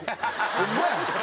ホンマやん。